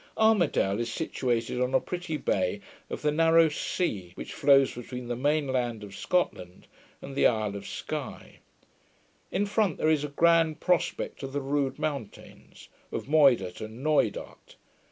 Armidale is situated on a pretty bay of the narrow sea, which flows between the main land of Scotland and the Isle of Sky. In front there is a grand prospect of the rude mountains of Moidart and Knoidart.